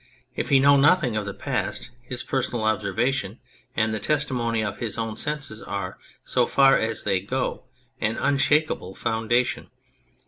If he know nothing of the past his personal observation and the testimony of his own senses are, so far as they go, an unshakable founda tion.